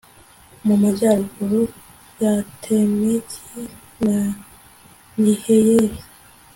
mu majyaruguru ya betemeki na nehiyeli